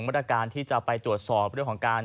มาตรการที่จะไปตรวจสอบเรื่องของการ